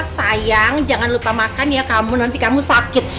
sayang jangan lupa makan ya kamu nanti kamu sakit